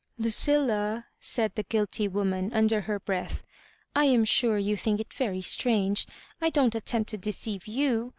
" Ludlla," said the guilty woman, under her breath, "I am sure you think it very strange. I don't attempt to deceive you.